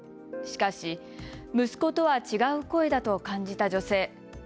しかし、息子とは違う声だと感じた女性。